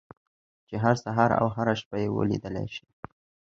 چې هر سهار او هره شپه يې وليدلای شئ.